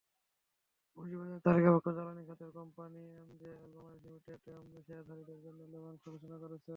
পুঁজিবাজারে তালিকাভুক্ত জ্বালানি খাতের কোম্পানি এমজেএল বাংলাদেশ লিমিটেড শেয়ারধারীদের জন্য লভ্যাংশ ঘোষণা করেছে।